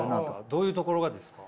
どういうところがですか？